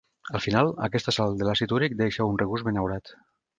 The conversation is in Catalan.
Al final, aquesta sal de l'àcid úric deixa un regust benaurat.